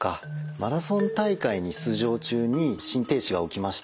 マラソン大会に出場中に心停止が起きました。